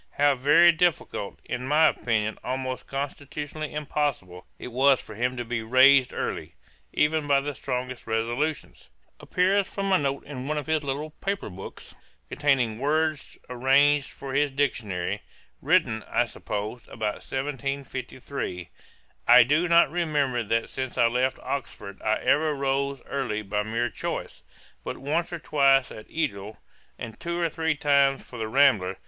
How very difficult, and in my opinion almost constitutionally impossible it was for him to be raised early, even by the strongest resolutions, appears from a note in one of his little paper books, (containing words arranged for his Dictionary,) written, I suppose, about 1753: 'I do not remember that since I left Oxford I ever rose early by mere choice, but once or twice at Edial, and two or three times for the Rambler.'